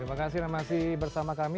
terima kasih anda masih bersama kami